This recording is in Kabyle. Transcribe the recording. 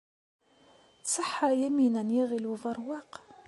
Tṣeḥḥa Yamina n Yiɣil Ubeṛwaq?